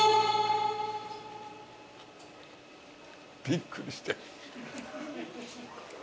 びっくりして。